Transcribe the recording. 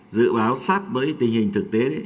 dự báo sát với tình hình thực tế